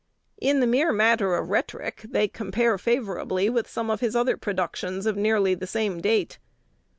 In the mere matter of rhetoric, they compare favorably with some of his other productions of nearly the same date.